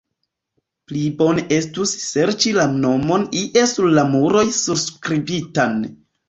Pli bone estus serĉi la nomon ie sur la muroj surskribitan.